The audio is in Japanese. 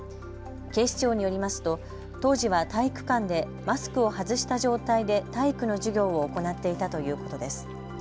警視庁によりますと当時は体育館でマスクを外した状態で体育の授業を行っていたということです。